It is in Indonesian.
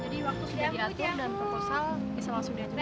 jadi waktu sudah diatur dan proposal bisa langsung diatur